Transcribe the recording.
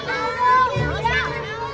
aku udah beli nih